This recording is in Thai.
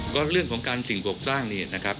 ก็เรื่องของการสิ่งปลูกสร้างนี่นะครับ